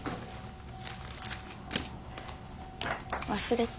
忘れて。